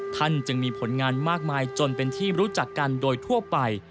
ท่านจึงมีผลงานมากมายจนเป็นที่รู้จักกันโดยทั่วไป